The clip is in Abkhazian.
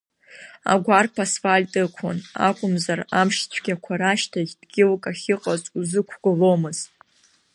Агәарԥ асфальт ықәын, акәымзар амшцәгьақәа рашьҭахь дгьылк ахьыҟаз узықәгыломызт.